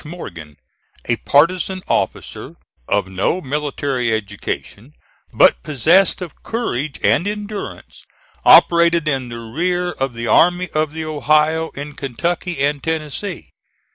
Morgan, a partisan officer, of no military education, but possessed of courage and endurance, operated in the rear of the Army of the Ohio in Kentucky and Tennessee.